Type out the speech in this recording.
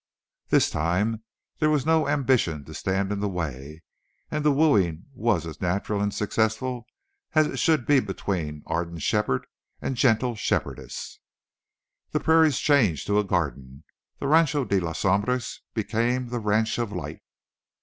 This time there was no ambition to stand in the way, and the wooing was as natural and successful as should be between ardent shepherd and gentle shepherdess. The prairies changed to a garden. The Rancho de las Sombras became the Ranch of Light.